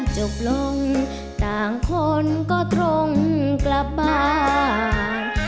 จบลงต่างคนก็ตรงกลับบ้าน